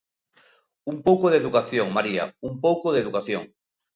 Un pouco de educación, María, ¡un pouco de educación!